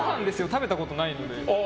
食べたことないので。